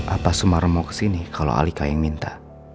apa sumara mau kesini kalo halika yang minta